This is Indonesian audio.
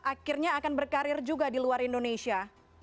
akhirnya akan berkarir juga di luar indonesia